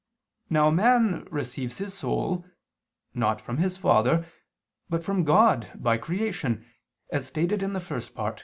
Now man receives his soul, not from his father, but from God by creation, as stated in the First Part (Q.